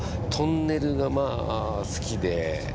トンネルがまあ好きで。